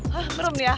hah merem ya